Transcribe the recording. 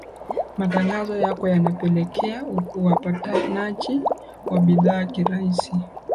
matangazo yako yanapelekea uapatikanaji wa bidhaa kirahisi